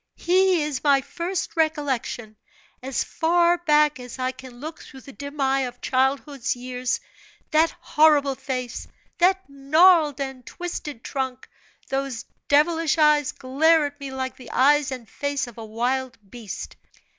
He is my first recollection. As far back as I can look through the dim eye of childhood's years, that horrible face, that gnarled and twisted trunk, those devilish eyes glare at me like the eyes and face of a wild beast.